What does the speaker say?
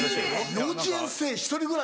幼稚園生１人ぐらい。